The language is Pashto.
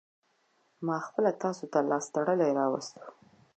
ما خپله تاسو ته لاس تړلى راوستو.